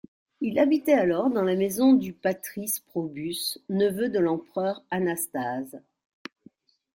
Il habitait alors dans la maison du patrice Probus, neveu de l'empereur Anastase.